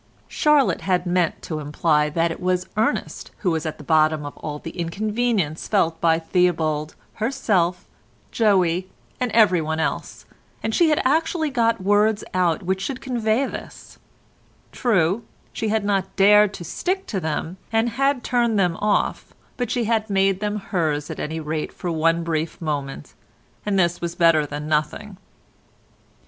Charlotte had meant to imply that it was Ernest who was at the bottom of all the inconvenience felt by Theobald, herself, Joey and everyone else, and she had actually got words out which should convey this; true, she had not dared to stick to them and had turned them off, but she had made them hers at any rate for one brief moment, and this was better than nothing.